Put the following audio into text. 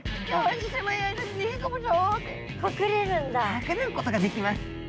隠れることができます。